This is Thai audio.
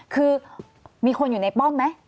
คือมีคนอยู่ในป้อมไหม